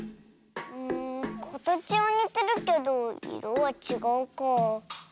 かたちはにてるけどいろはちがうかあ。